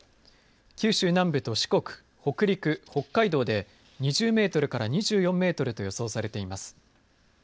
九州南部と四国、北陸北海道で２０メートルから２４メートルと予想されています。